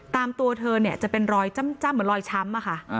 ตามตัวเธอเนี่ยจะเป็นรอยจ้ำเหมือนรอยช้ำอะค่ะ